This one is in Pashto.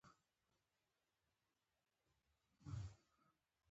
ځورولی یی یې؟ ویې بخښه. ځکه چی ته باید سکون او تسکین ومومې!